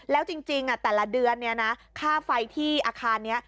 แล้วจริงแต่ละเดือนค่าไฟที่อาคารนี้